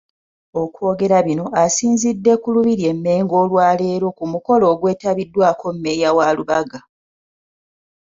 Okwogera bino, asinzidde ku Lubiri e Mmengo olwaleero ku mukolo ogwetabiddwako Mmeeya wa Lubaga.